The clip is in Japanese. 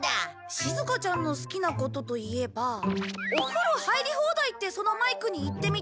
しずかちゃんの好きなことといえば「お風呂入り放題」ってそのマイクに言ってみて。